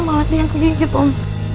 malah dia yang digigit om